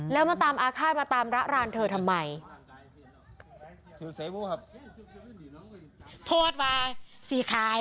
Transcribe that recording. แล้วมาตามอาฆาตมาตามระรานเธอทำไม